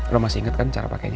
lo masih inget kan cara pakainya